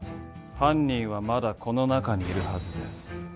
犯人はまだこの中にいるはずです。